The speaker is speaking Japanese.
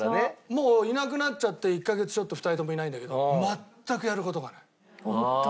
もういなくなっちゃって１カ月ちょっと２人ともいないんだけど。